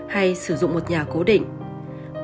hay sử dụng một nhà cố định